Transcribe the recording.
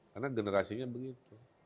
karena generasinya begitu